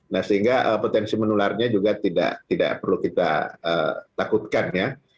nah sehingga potensi menularnya juga tidak perlu kita takutkan ya